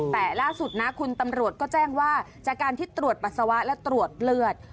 แต่ล่าสุดนะคุณตำรวจก็แจ้งว่าจากการที่ตรวจปัสสาวะและตรวจเลือด